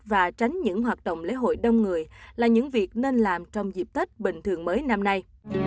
và tránh những hoạt động lễ hội đông người là những việc nên làm trong dịp tết bình thường mới năm nay